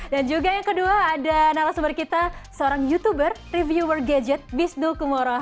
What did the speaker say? dan juga yang kedua ada narasumber kita seorang youtuber reviewer gadget bisnu kumoroha